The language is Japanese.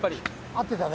合ってたね。